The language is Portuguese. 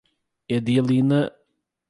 Edealina